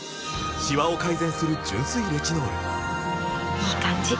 いい感じ！